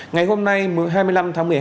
ngày hôm nay hai mươi năm tháng một mươi hai